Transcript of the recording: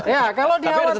ya kalau dikhawatirkan